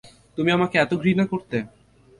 তুমি আমাকে এত ঘৃণা করতে?